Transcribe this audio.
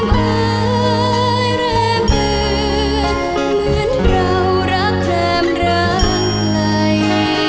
โปรดติดตามต่อไป